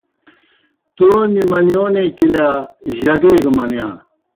تومیْ منِیونے کِرِیا جگے گہ منِیا